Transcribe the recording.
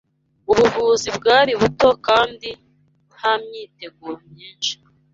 Ubuvuzi bwari buto kandi nta myiteguro myinshi